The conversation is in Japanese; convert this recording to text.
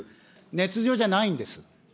ねつ造じゃないんです。